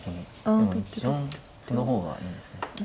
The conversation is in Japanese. でも１四歩の方がいいんですね。